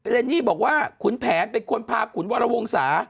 เนนี่บอกว่าขุนแผนเป็นคนพาขุนวรวงศา